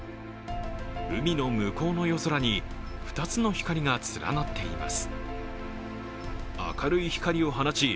海の向こうの夜空に２つの光が連なっています。